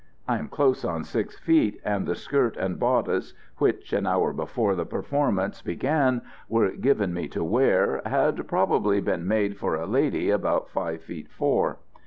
I am close on six feet, and the skirt and bodice which, an hour before the performance began, were given me to wear, had probably been made for a lady about five feet four.